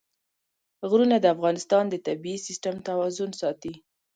غرونه د افغانستان د طبعي سیسټم توازن ساتي.